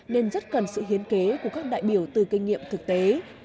nên rất cần sự hiến kế của các đại biểu từ kinh nghiệm thực tế